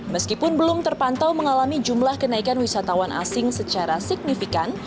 meskipun belum terpantau mengalami jumlah kenaikan wisatawan asing secara signifikan